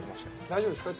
大丈夫ですか？